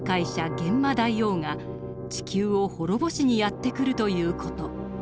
幻魔大王が地球を滅ぼしにやって来るという事。